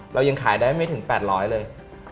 เรายังขายได้ไม่ถึง๘๐๐เลย